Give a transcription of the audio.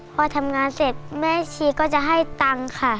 พอทำงานเสร็จแม่ชีก็จะให้ตังค์ค่ะ